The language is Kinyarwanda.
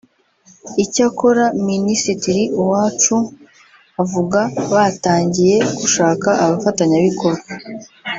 Icyakora Minisitiri Uwacu avuga batangiye gushaka abafatanyabikorwa